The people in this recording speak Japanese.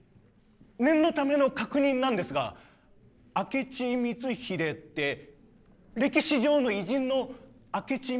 念のための確認なんですが明智光秀って歴史上の偉人の明智光秀さんで間違いないでしょうか？